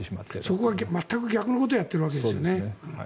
そこが全く逆のことをやっているわけですよね。